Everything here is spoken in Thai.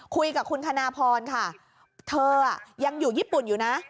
คุยกับคุณธนพรค่ะเธอยังอยู่ญี่ปุ่นอยู่นะ